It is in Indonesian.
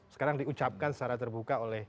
sekarang diucapkan secara terbuka oleh